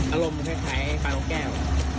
อารมณ์คล้ายแปลวแก้ว